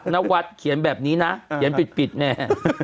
นวัดเขียนแบบนี้นะเขียนปิดแน่